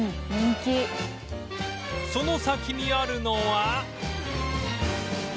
その先にあるのは